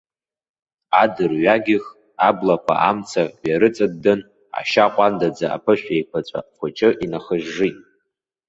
Адырҩагьых аблақәа амца ҩарыҵыддын, ашьа ҟәандаӡа аԥышә еиқәаҵәа хәыҷы инахьыжжит.